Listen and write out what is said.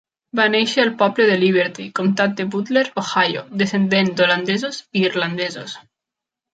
Va nàixer al poble de Liberty, comtat de Butler, Ohio, descendent d'holandesos i irlandesos.